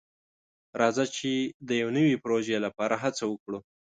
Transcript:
راځه چې د یو نوي پروژې لپاره هڅه وکړو.